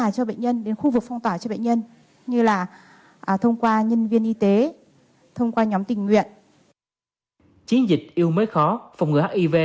chiến dịch yêu mến khó phòng ngừa hiv s tiếp cận được hỗ trợ y tế